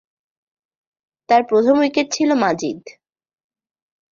তার প্রথম উইকেট ছিল "মাজিদ"।